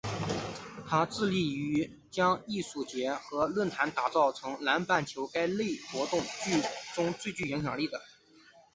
它致力于将该艺术节和论坛打造成南半球该类活动中最具影响力的。